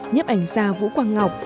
nhiếp ảnh ra vũ quang ngọc